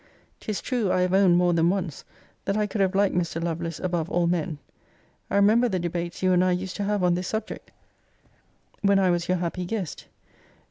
'Tis true, I have owned more than once, that I could have liked Mr. Lovelace above all men. I remember the debates you and I used to have on this subject, when I was your happy guest.